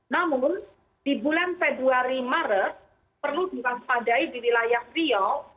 namun di bulan februari maret perlu diwaspadai di wilayah riau